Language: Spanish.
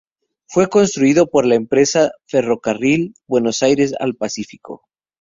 Fue construido por la empresa Ferrocarril Buenos Aires al Pacífico.